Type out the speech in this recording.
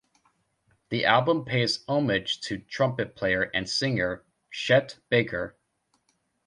The album pays homage to trumpet player and singer Chet Baker.